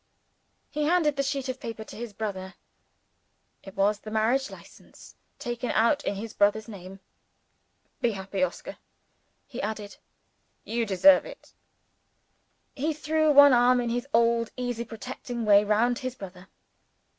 _" He handed the sheet of paper to his brother. It was the Marriage License, taken out in his brother's name. "Be happy, Oscar," he added. "You deserve it." He threw one arm in his old easy protecting way round his brother.